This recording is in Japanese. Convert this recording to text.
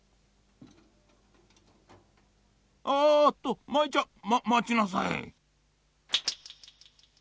あっと舞ちゃんままちなさい！